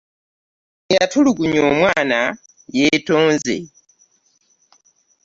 Eyatulugunya omwana yeetonze.